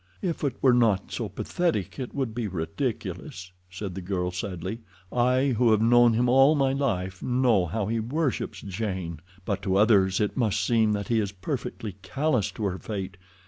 "If it were not so pathetic it would be ridiculous," said the girl, sadly. "I, who have known him all my life, know how he worships Jane; but to others it must seem that he is perfectly callous to her fate.